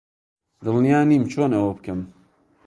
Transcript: دڵنیا نیم چۆن ئەوە بکەم.